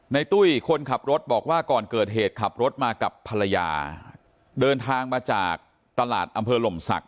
ตุ้ยคนขับรถบอกว่าก่อนเกิดเหตุขับรถมากับภรรยาเดินทางมาจากตลาดอำเภอหล่มศักดิ